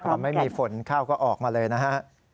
พอไม่มีฝนเข้าก็ออกมาเลยนะฮะ